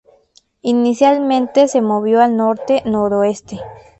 Inicialmente, se movió al norte-noroeste.